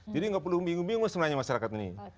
jadi nggak perlu bingung bingung sebenarnya masyarakat ini